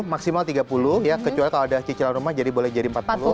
maksimal tiga puluh ya kecuali kalau ada cicilan rumah jadi boleh jadi empat puluh